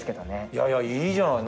いやいやいいじゃない。